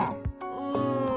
うん。